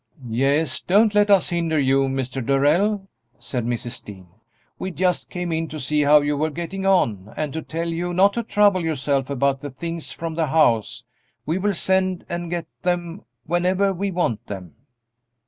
"Yes, don't let us hinder you, Mr. Darrell," said Mrs. Dean; "we just came in to see how you were getting on, and to tell you not to trouble yourself about the things from the house; we will send and get them whenever we want them."